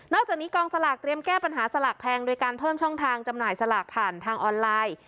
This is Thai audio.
อกจากนี้กองสลากเตรียมแก้ปัญหาสลากแพงโดยการเพิ่มช่องทางจำหน่ายสลากผ่านทางออนไลน์